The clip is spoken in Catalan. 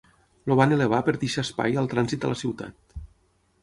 El van elevar per deixar espai al trànsit a la ciutat.